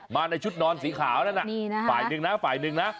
มาในชุดนอนสีขาวนั่นน่ะฝ่ายหนึ่งนะฝ่ายหนึ่งนะ